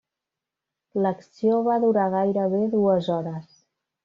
L'acció va durar gairebé dues hores.